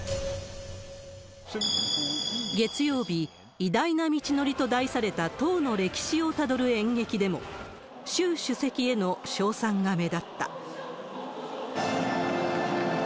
月曜日、偉大な道のりと題された党の歴史をたどる演劇でも、習主席への称賛が目立った。